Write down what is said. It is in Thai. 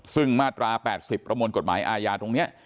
ซึ่งมาตรา๘๐ประมวลกฎหมายอาญาตรงนี้